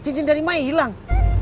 cincin dari mai hilang